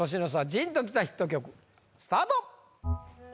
ジーンときたヒット曲スタート！